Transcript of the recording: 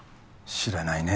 知らないね。